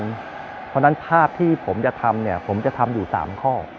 เพราะฉะนั้นภาพที่ผมจะทำเนี่ยผมจะทำอยู่๓ข้อ